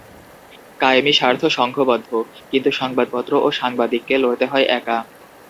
কায়েমি স্বার্থ সংঘবদ্ধ, কিন্তু সংবাদপত্র ও সাংবাদিককে লড়তে হয় একা।